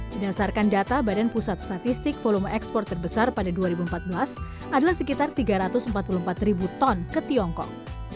berdasarkan data badan pusat statistik volume ekspor terbesar pada dua ribu empat belas adalah sekitar tiga ratus empat puluh empat ribu ton ke tiongkok